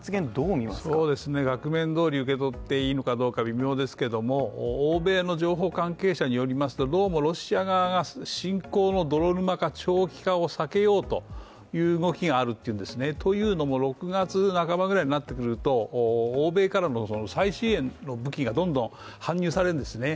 額面通り受け取っていいのかどうか微妙ですけども欧米の情報関係者によりますとどうもロシア側が侵攻の泥沼化長期化を避けようという動きがあるっていうんですねというのも６月半ばぐらいになってくると欧米からの最新の武器がどんどん搬入されるんですね。